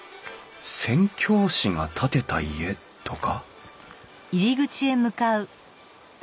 宣教師が建てた家とか？